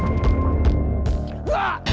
bangda ih ya